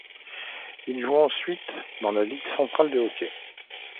Il joue ensuite dans la Ligue centrale de hockey.